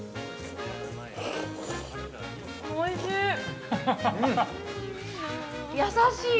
◆おいしい。